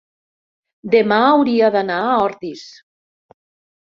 demà hauria d'anar a Ordis.